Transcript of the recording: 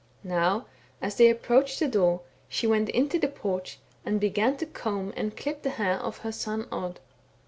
'* Now as they approached the door, she went into the porch, and began to comb and clip the hair of her son Odd.